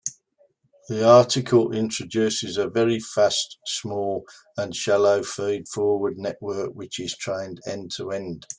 The article introduces a very fast, small, and shallow feed-forward network which is trained end-to-end.